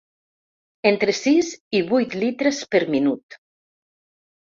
Entre sis i vuit litres per minut.